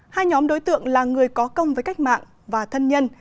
hai nhóm đối tượng là người có công với cách mạng và thân nhân